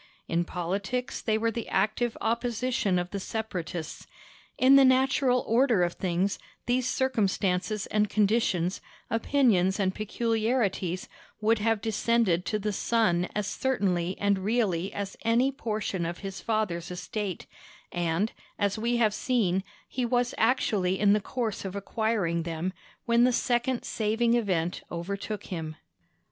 In politics they were the active opposition of the Separatists. In the natural order of things, these circumstances and conditions, opinions and peculiarities, would have descended to the son as certainly and really as any portion of his father's estate; and, as we have seen, he was actually in course of acquiring them, when the second saving event overtook him.